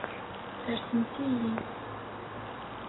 Sersemt-iyi.